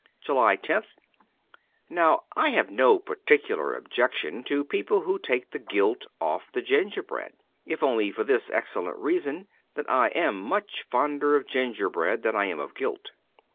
JULY loth NOW, I have no particular objection to people who take the gilt off the gingerbread : if only for this excellent reason — that I am much fonder of gingerbread than I am of gilt.